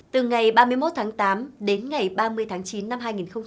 từ ngày ba mươi một tháng tám đến ngày ba mươi tháng chín năm hai nghìn một mươi chín